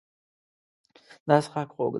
دا څښاک خوږ دی.